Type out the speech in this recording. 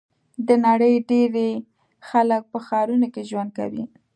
د نړۍ ډېری خلک په ښارونو کې ژوند کوي.